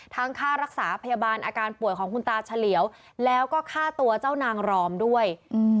ค่ารักษาพยาบาลอาการป่วยของคุณตาเฉลียวแล้วก็ค่าตัวเจ้านางรอมด้วย